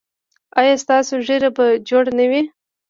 ایا ستاسو ږیره به جوړه نه وي؟